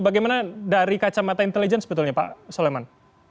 bagaimana dari kacamata intelijen sebetulnya pak soleman